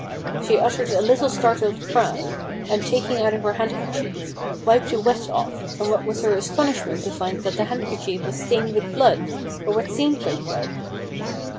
She uttered a little startled cry, and, taking out her handker chief, wiped the wet off, and what was her astonishment to find that the handkerchief was stained with blood, or what seemed like blood.